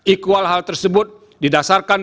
iqwal hal tersebut didasarkan